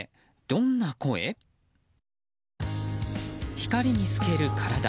光に透ける体。